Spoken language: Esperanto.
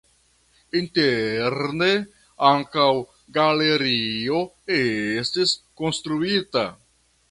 Interne ankaŭ galerio estis konstruita.